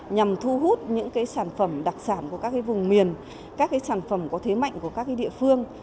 nhằm thu hút những sản phẩm đặc sản của các vùng miền các sản phẩm có thế mạnh của các địa phương